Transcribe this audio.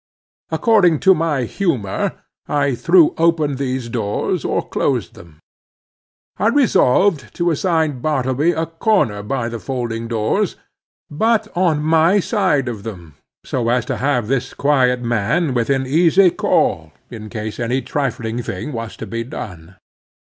According to my humor I threw open these doors, or closed them. I resolved to assign Bartleby a corner by the folding doors, but on my side of them, so as to have this quiet man within easy call, in case any trifling thing was to be done.